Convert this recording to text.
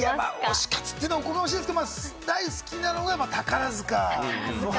推し活と言うとおこがましいですけど、大好きなのは宝塚。